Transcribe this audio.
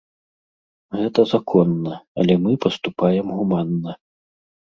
Гэта законна, але мы паступаем гуманна.